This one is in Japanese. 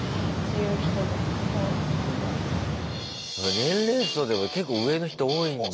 年齢層でも結構上の人多いんだ。